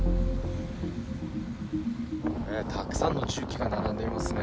たくさんの重機が並んでいますね。